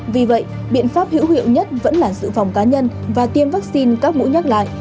vì vậy biện pháp hữu hiệu nhất vẫn là sự phòng cá nhân và tiêm vaccine các mũi nhắc lại